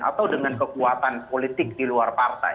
atau dengan kekuatan politik di luar partai